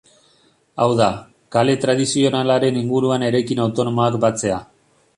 Hau da, kale tradizionalaren inguruan eraikin autonomoak batzea.